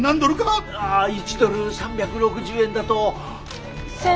１ドル３６０円だと。